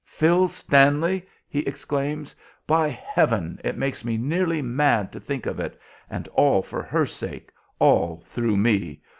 "Phil Stanley!" he exclaims. "By heaven! it makes me nearly mad to think of it! and all for her sake, all through me.